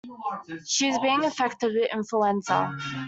She is being infected with influenza.